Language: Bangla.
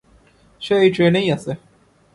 সে এই ট্রেনেই আছে।